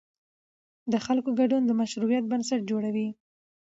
د خلکو ګډون د مشروعیت بنسټ جوړوي